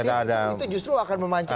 itu justru akan memancing